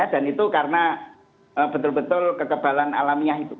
dan itu karena betul betul kekebalan alamiah itu